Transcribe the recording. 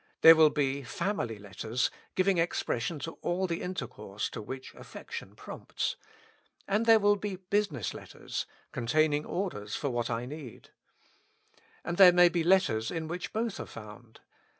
There will be family letters giving expression to all the intercourse to which aflfection prompts ; and there will be business letters, containing orders for what I need. And there may be letters in which both are found.